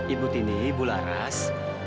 ibu tini ibu laras